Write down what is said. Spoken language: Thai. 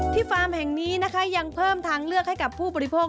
ฟาร์มแห่งนี้นะคะยังเพิ่มทางเลือกให้กับผู้บริโภค